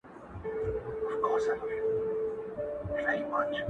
o د فکرونه، ټوله مزخرف دي.